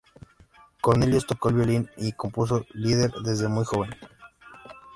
Cornelius tocó el violín y compuso lieder desde muy joven.